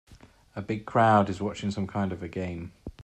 A big crowd is watching some kind of a game.